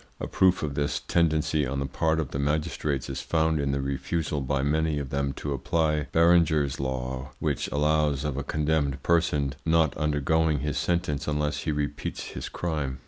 A proof of this tendency on the part of the magistrates is found in the refusal by many of them to apply Berenger's law, which allows of a condemned person not undergoing his sentence unless he repeats his crime.